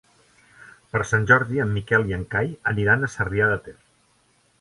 Per Sant Jordi en Miquel i en Cai aniran a Sarrià de Ter.